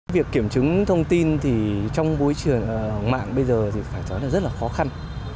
việc kiểm chứng thông tin trong vụ trường mạng bây giờ thì phải nói là rất là khó khăn